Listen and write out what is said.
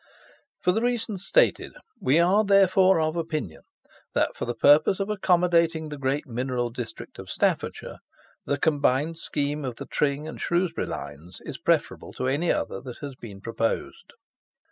For the reasons stated we are therefore of opinion that, for the purpose of accommodating the great mineral district of Staffordshire, the combined scheme of the Tring and Shrewsbury lines is preferable to any other that has been proposed.